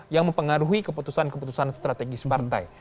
yang mempengaruhi keputusan keputusan strategis partai